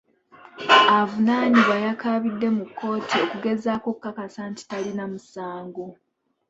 Avunaanibwa yakaabidde mu kkooti okugezaako okukakasa nti talina musango.